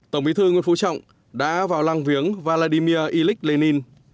tổng bí thư nguyễn phú trọng đã vào lăng viếng vladimir ilyich lenin